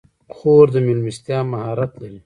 خور د میلمستیا مهارت لري.